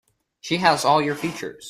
She has all your features.